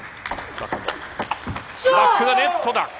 バックはネットだ。